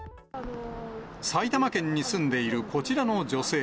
埼玉県に住んでいるこちらの女性。